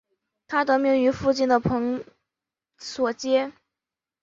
它得名于附近的蓬索街。